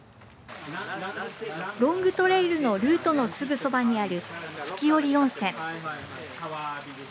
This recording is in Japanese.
ロングトレイルのルートのすぐそばにある月居温泉。